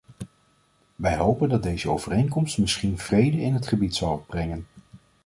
Wij hopen dat deze overeenkomst misschien vrede in het gebied zal brengen.